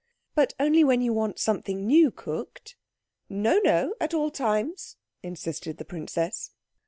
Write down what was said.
"But only when you want something new cooked." "No, no, at all times," insisted the princess.